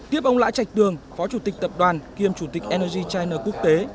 tiếp ông lã trạch tường phó chủ tịch tập đoàn kiêm chủ tịch energy china quốc tế